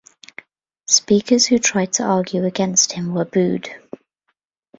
Speakers who tried to argue against him were booed.